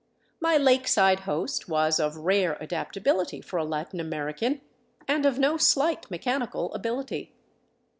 My lake side host was of rare adaptability for a Latin American, and of no slight mechanical ability.